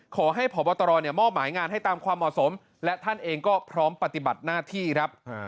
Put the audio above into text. ขอให้พบตรมอบหมายงานให้ตามความเหมาะสมและท่านเองก็พร้อมปฏิบัติหน้าที่ครับ